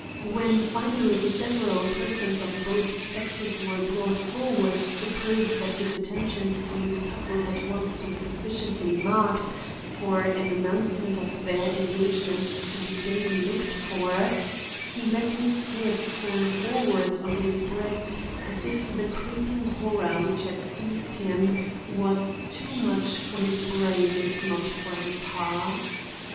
When finally several persons of both sexes were brought forward to prove that his attentions to Miss Tuttle had once been sufficiently marked for an announcement of their engagement to be daily looked for, he let his head fall forward on his breast as if the creeping horror which had seized him was too much for his brain if not for his heart.